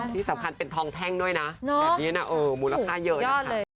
ที่สำคัญเป็นทองแท่งด้วยนะแบบนี้นะมูลค่าเยอะนะคะ